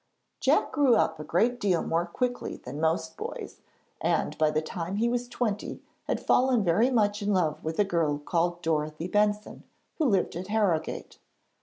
Jack grew up a great deal more quickly than most boys, and by the time he was twenty had fallen very much in love with a girl called Dorothy Benson, who lived at Harrogate.